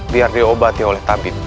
biar diobati oleh tabib